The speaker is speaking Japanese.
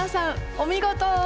お見事！